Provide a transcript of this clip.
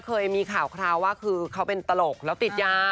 เคยมีข่าวคราวว่าคือเขาเป็นตลกแล้วติดยา